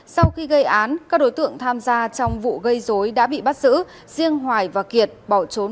sau khi gây án các đối tượng tham gia trong vụ gây dối đã bị bắt giữ riêng hoài và kiệt bỏ trốn